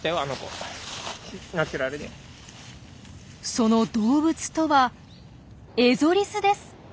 その動物とはエゾリスです。